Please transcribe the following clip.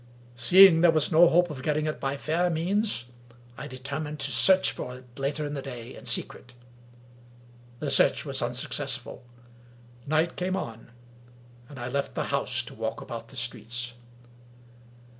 See ing there was no hope of getting it by fair means, I deter mined to search for it, later in the day, in secret. The search was unsuccessful. Night came on, and I left the house to walk about the streets.